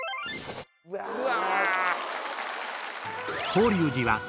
うわ。